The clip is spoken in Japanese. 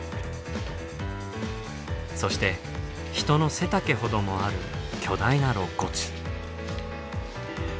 そして人の背丈ほどもある巨大な肋骨。